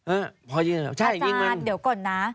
อาจารย์เดี๋ยวก่อนนะ